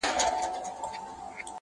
د کرونا له تودې تبي څخه سوړ سو!